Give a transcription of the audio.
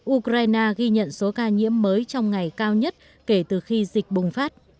ukraine ghi nhận số ca nhiễm mới trong ngày cao nhất kể từ khi dịch bùng phát